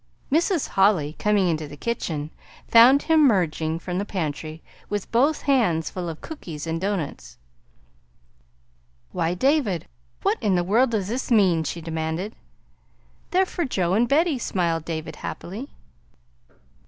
Mrs. Holly, coming into the kitchen, found him merging from the pantry with both hands full of cookies and doughnuts. "Why, David, what in the world does this mean?" she demanded. "They're for Joe and Betty," smiled David happily.